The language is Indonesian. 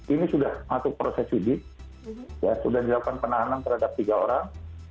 ini sudah masuk proses sidik sudah dilakukan penahanan terhadap tiga orang